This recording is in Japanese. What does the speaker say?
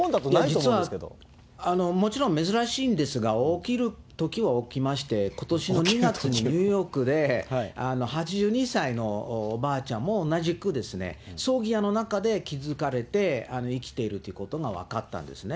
実は、もちろん珍しいんですが、起きるときは起きまして、ことしの２月にニューヨークで８２歳のおばあちゃんも同じくですね、葬儀屋の中で気付かれて、生きているということが分かったんですね。